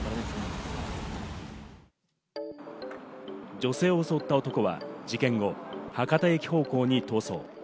女性を襲った男は事件後、博多駅方向に逃走。